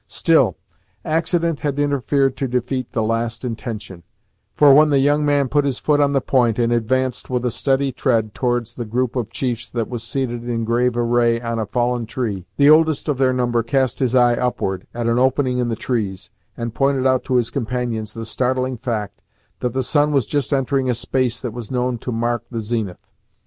Still, accident had interfered to defeat the last intention, for when the young man put his foot on the point, and advanced with a steady tread towards the group of chiefs that was seated in grave array on a fallen tree, the oldest of their number cast his eye upward, at an opening in the trees, and pointed out to his companions the startling fact that the sun was just entering a space that was known to mark the zenith.